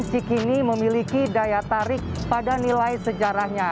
cikini memiliki daya tarik pada nilai sejarahnya